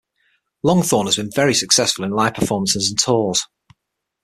Longthorne has been very successful in live performances and tours.